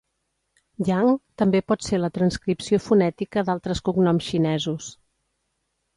"Yang" també pot ser la transcripció fonètica d'altres cognoms xinesos.